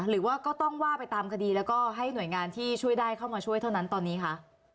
หรือว่าก็ต้องว่าไปตามคดีแล้วก็ให้หน่วยงานที่ช่วยได้เข้ามาช่วยเท่านั้นตอนนี้คะ